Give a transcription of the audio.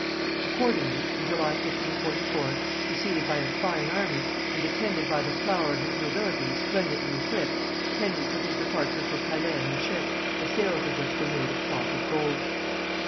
Accordingly, in July 1544, preceded by a fine army, and attended by the flower of his nobility splendidly equipped, Henry took his departure for Calais in a ship the sails of which were made of cloth of gold.